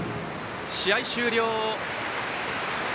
試合終了。